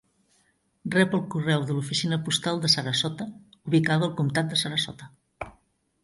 Rep el correu de l'oficina postal de Sarasota, ubicada al comtat de Sarasota.